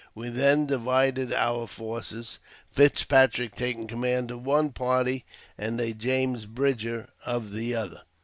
We then divided our forces^ Fitzpatrick taking command of one party, and a James Bridger of the other.